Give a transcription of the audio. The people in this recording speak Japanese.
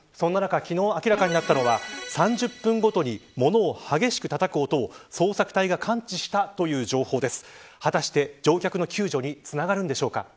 そんな中、昨日明らかになったのは３０分ごとに物を激しくたたく音を捜索隊が感知したという情報です。